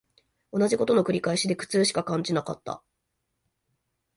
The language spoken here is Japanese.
同じ事の繰り返しで苦痛しか感じなかった